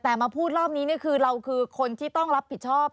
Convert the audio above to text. แต่มาพูดรอบนี้คือเราคือคนที่ต้องรับผิดชอบ